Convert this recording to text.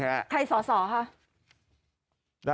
ใครสอหรือคะ